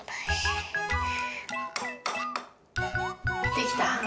できた？